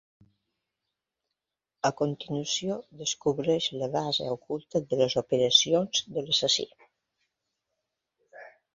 A continuació, descobreix la base oculta de les operacions de l'assassí.